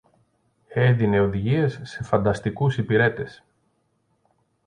έδινε οδηγίες σε φανταστικούς υπηρέτες